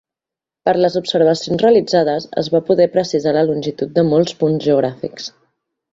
Per les observacions realitzades es va poder precisar la longitud de molts punts geogràfics.